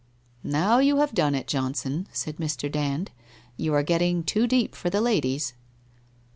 ' Now you have done it, Johnson,' said Mr. Dand. * You are getting too deep for the ladies.'